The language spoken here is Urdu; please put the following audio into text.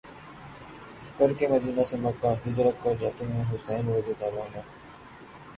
کرکے مدینہ سے مکہ ہجرت کر جاتے ہیں حسین رض